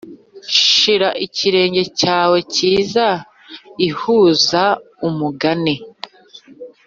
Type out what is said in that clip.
shira ikirenge cyawe cyiza ihuza umugani